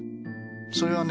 それはね